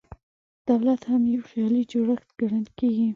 دولت هم یو خیالي جوړښت ګڼل کېږي.